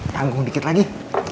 tanggung dikit lagi